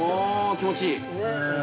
◆気持ちいい。